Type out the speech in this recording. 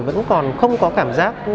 vẫn còn không có cảm giác